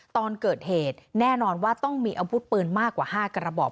ตอนเกิดเหตุแน่นอนว่าต้องมีอาวุธปืนมากกว่า๕กระบอก